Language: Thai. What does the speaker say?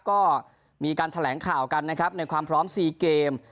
ก็มีการแถลงข่าวกันนะครับในความพร้อม๔เกม